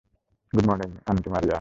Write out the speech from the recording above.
Good morning, aunty Maria.